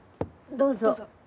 どうぞ。